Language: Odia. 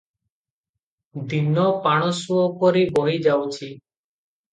ଦିନ ପାଣସୁଅ ପରି ବହି ଯାଉଛି ।